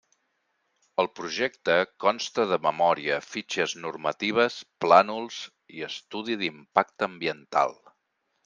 El projecte consta de memòria, fitxes normatives, plànols i estudi d'impacte ambiental.